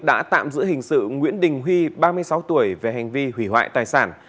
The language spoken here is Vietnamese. đã tạm giữ hình sự nguyễn đình huy ba mươi sáu tuổi về hành vi hủy hoại tài sản